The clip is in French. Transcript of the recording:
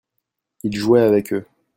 il jouait avec eux.